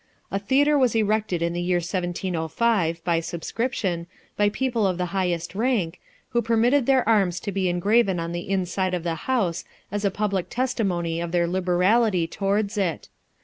A theatre was erected in the year 1705, by subscription, by people of the highest rank, who permitted their arms to be engraven on the inside of the house, as a public testimony of their liberality towards it.